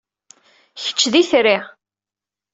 Kečč d itri.